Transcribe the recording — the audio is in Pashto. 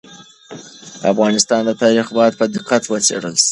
د افغانستان تاریخ باید په دقت وڅېړل سي.